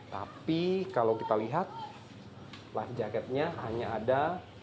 tapi kalau kita lihat leves jaketnya hanya ada tujuh